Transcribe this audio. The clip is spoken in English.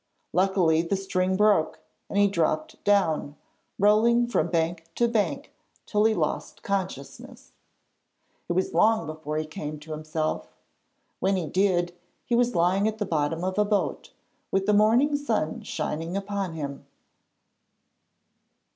Luckily the string broke and he dropped down, rolling from bank to bank till he lost consciousness. It was long before he came to himself. When he did, he was lying at the bottom of a boat, with the morning sun shining upon him.